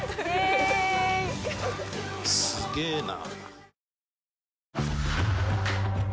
すげえな。